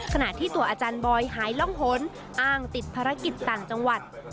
ขณะที่ตัวอาจารย์บอยหายร่องหนอ้างติดภารกิจต่างจังหวัด